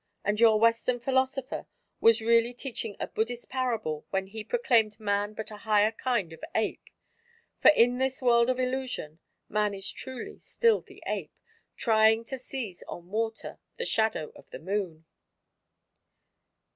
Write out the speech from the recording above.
And your Western philosopher was really teaching a Buddhist parable when he proclaimed man but a higher kind of ape. For in this world of illusion, man is truly still the ape, trying to seize on water the shadow of the Moon."